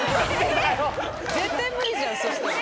絶対無理じゃんそしたら。